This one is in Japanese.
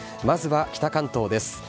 まずは北関東です。